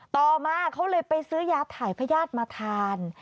ต่อมาเขาเลยไปซื้อยาถ่ายพญาติมาทาน